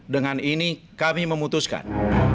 dengan ini kami memutuskan